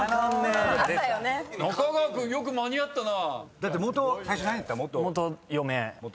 中川君よく間に合ったな。